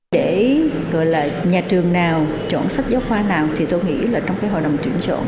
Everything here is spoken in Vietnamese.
để gọi là nhà trường nào chọn sách giáo khoa nào thì tôi nghĩ là trong cái hội đồng chuyển